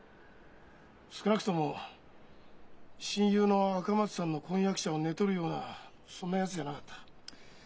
少なくとも親友の赤松さんの婚約者を寝取るようなそんなやつじゃなかった。